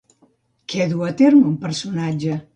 Què duu a terme un personatge?